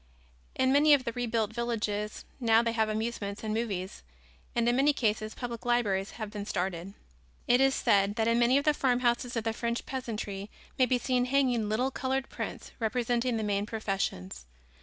In many of the rebuilt villages now they have amusements and movies and in many cases public libraries have been started. It is said that in many of the farmhouses of the French peasantry may be seen hanging little colored prints representing the main professions.